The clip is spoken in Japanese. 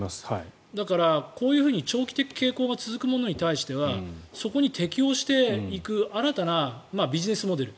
だから、こういうふうに長期的傾向が続くものに対してはそこに適応していく新たなビジネスモデル。